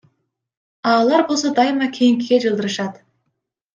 А алар болсо дайыма кийинкиге жылдырышат.